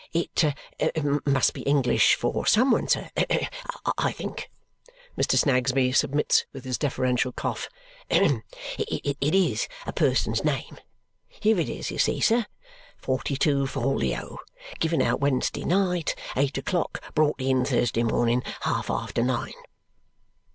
"It must be English for some one, sir, I think," Mr. Snagsby submits with his deferential cough. "It is a person's name. Here it is, you see, sir! Forty two folio. Given out Wednesday night, eight o'clock; brought in Thursday morning, half after nine."